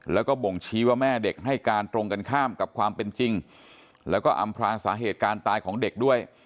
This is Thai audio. แล้วก็บ่งชี้ว่าแม่เด็กให้การตรงกันข้ามกับความเป็นจริงแล้วก็อำพลางสาเหตุการณ์ตายของเด็กด้วย